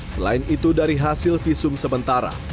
selain itu dari hasil visum sementara